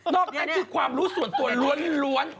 นอกจากความรู้ส่วนตัวล้วน